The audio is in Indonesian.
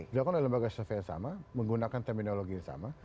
dilakukan oleh lembaga survei yang sama menggunakan terminologi yang sama